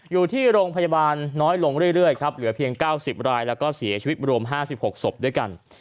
อยู่ที่โรงพยาบาลน้อยลงเรื่อยครับเหลือเพียง๙๐รายแล้วก็เสียชีวิตรวม๕๖ศพด้วยกัน